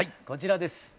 こちらです。